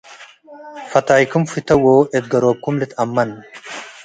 ፈታይኩም ፍተዎ - እት ገሮብኩም ልትአመን